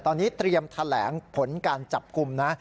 ตอนนี้เตรียมแถลงผลการจับกลุ่มนะ